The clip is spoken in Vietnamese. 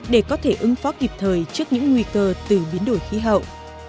để có thể ứng phó kịp thời trước những nguy cơ từ biến đổi khí hậu